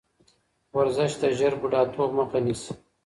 ورزش د ژر بوډاتوب مخه نیسي.